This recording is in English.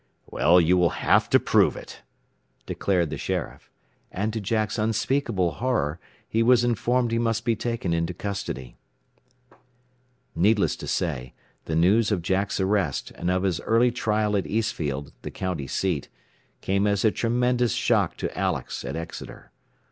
"Well, you will have to prove it," declared the sheriff. And to Jack's unspeakable horror he was informed he must be taken into custody. Needless to say, the news of Jack's arrest, and of his early trial at Eastfield, the county seat, came as a tremendous shock to Alex, at Exeter.